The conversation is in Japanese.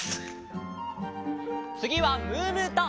つぎはムームーと。